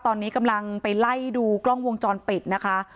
ตอนนี้กำลังไปไล่ดูกล้องวงจรปิดนะคะ